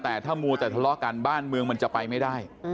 แต่ถ้ามัวแต่ทะเลาะกันบ้านเมืองมันจะไปไม่ได้